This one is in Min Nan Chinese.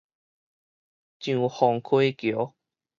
上磺溪橋